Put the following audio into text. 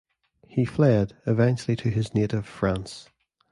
He fled, eventually to his native France.